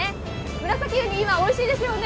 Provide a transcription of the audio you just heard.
ムラサキウニ、今、おいしいですよね。